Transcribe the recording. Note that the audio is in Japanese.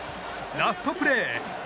ラストプレー。